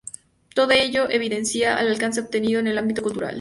Todo ello evidencia el alcance obtenido en el ámbito cultural.